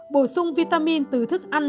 bổ sung vitamin từ thức ăn